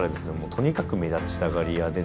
とにかく目立ちたがり屋でですね